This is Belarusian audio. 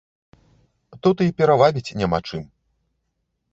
Тут і перавабіць няма чым.